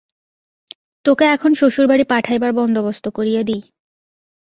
তােকে এখন শ্বশুরবাড়ি পাঠাইবার বন্দোবস্ত করিয়া দিই।